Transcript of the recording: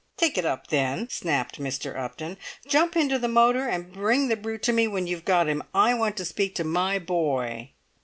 "Take it up, then!" snapped Mr. Upton. "Jump into the motor, and bring the brute to me when you've got him! I want to speak to my boy."